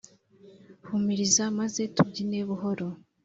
humiriza maze tubyine buhoro